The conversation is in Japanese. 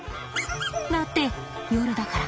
だって夜だから。